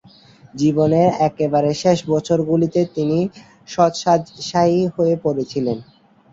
জীবনের একেবারে শেষ বছরগুলিতে তিনি শয্যাশায়ী হয়ে পড়েছিলেন।